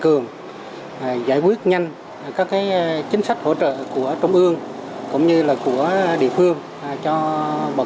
cường giải quyết nhanh các chính sách hỗ trợ của trung ương cũng như là của địa phương cho bọn